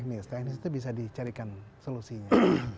karena ini teknis teknis itu bisa dicarikan solusinya